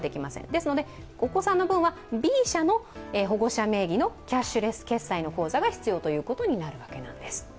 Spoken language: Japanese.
ですので、お子さんの分はＢ社の保護者名義のキャッシュレス決済の口座が必要になるということなんです。